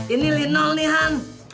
ini linol nih han